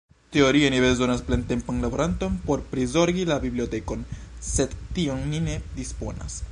Teorie ni bezonas plentempan laboranton por prizorgi la bibliotekon, sed tion ni ne disponas.